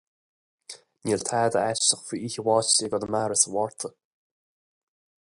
Níl tada aisteach faoi oíche bháistí i gConamara sa Mhárta.